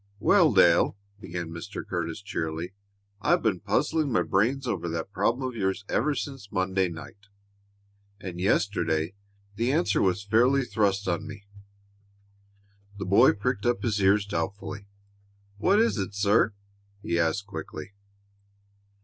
"Well, Dale," began Mr. Curtis, cheerily, "I've been puzzling my brains over that problem of yours ever since Monday night, and yesterday the answer was fairly thrust on me." The boy pricked up his ears doubtfully. "What is it, sir?" he asked quickly.